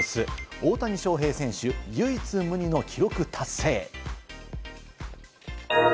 大谷翔平選手、唯一無二の記録達成。